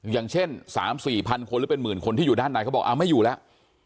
อย่างเช่น๓๔พันคนหรือเป็นหมื่นคนที่อยู่ด้านในเขาบอกไม่อยู่แล้ว